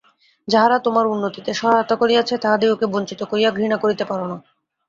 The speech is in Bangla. যাহারা তোমার উন্নতিতে সহায়তা করিয়াছে, তাহাদিগকে বঞ্চিত করিয়া ঘৃণা করিতে পার না।